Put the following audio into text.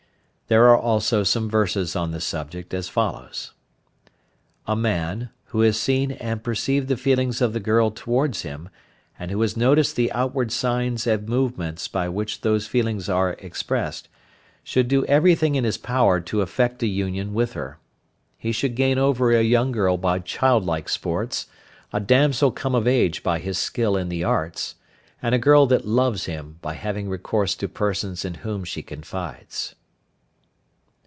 There are also some verses on the subject as follows: A man, who has seen and perceived the feelings of the girl towards him, and who has noticed the outward signs and movements by which those feelings are expressed, should do everything in his power to effect an union with her. He should gain over a young girl by childlike sports, a damsel come of age by his skill in the arts, and a girl that loves him by having recourse to persons in whom she confides.